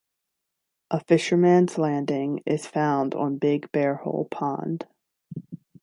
A fisherman's landing is found on Big Bearhole Pond.